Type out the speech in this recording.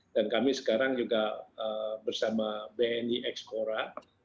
dan kami sekarang juga bersama bni ekspora